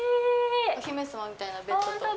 お姫様みたいなベッドと。